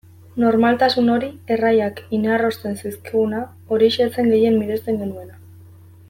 Normaltasun hori, erraiak inarrosten zizkiguna, horixe zen gehien miresten genuena.